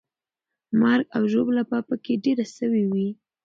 مرګ او ژوبله به پکې ډېره سوې وي.